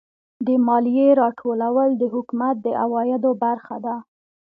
د مالیې راټولول د حکومت د عوایدو برخه ده.